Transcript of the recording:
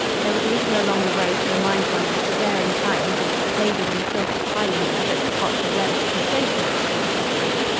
There was little along the road to remind one of the stirring times or the plaided and kilted Highlander that Scott has led us to associate with this country.